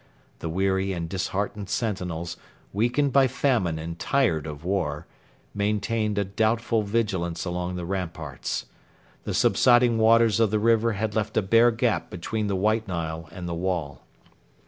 The weary and disheartened sentinels, weakened by famine and tired of war, maintained a doubtful vigilance along the ramparts. The subsiding waters of the river had left a bare gap between the White Nile and the wall.